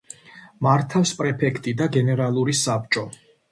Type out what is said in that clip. მართავს პრეფექტი და გენერალური საბჭო.